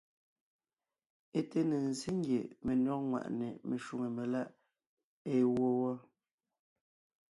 É té ne ńzsé ngie menÿɔ́g ŋwàʼne meshwóŋè meláʼ ée wó wɔ́.